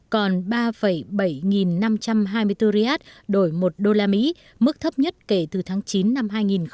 còn ba bảy nghìn năm trăm hai mươi bốn riad đổi một đô la mỹ mức thấp nhất kể từ tháng chín năm hai nghìn một mươi sáu